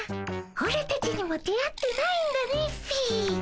オラたちにも出会ってないんだねっピィ。